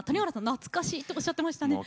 懐かしいとおっしゃってましたね。